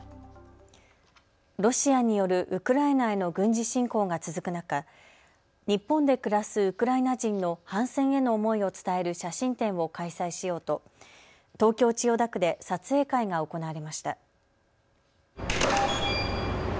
ロシアによるウクライナへの軍事侵攻が続く中、日本で暮らすウクライナ人の反戦への思いを伝える写真展を開催しようと東京千代田区で撮影会が行われました。